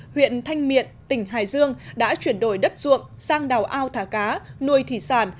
huyện thanh miện tỉnh hải dương đã chuyển đổi đất ruộng sang đào ao thả cá nuôi thủy sản